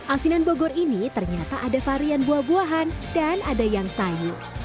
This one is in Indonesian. asinan bogor ini ternyata ada varian buah buahan dan ada yang sayur